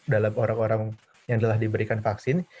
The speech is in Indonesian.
dalam orang orang yang telah diberikan vaksin